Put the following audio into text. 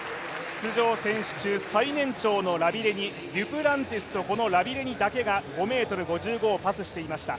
出場選手中、最年長のラビレニデュプランティスとラビレニだけが５ｍ５５をパスしていました。